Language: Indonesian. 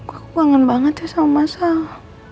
aku bangun banget ya sama sama